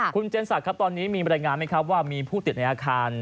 คุณเจนศักดิ์ครับตอนนี้มีบรรยายงานไหมครับว่ามีผู้ติดในอาคาร